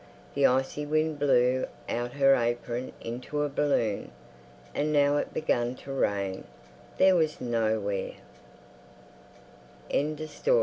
The icy wind blew out her apron into a balloon. And now it began to rain. There was nowhe